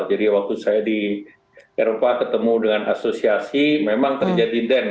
jadi waktu saya di eropa ketemu dengan asosiasi memang terjadi deng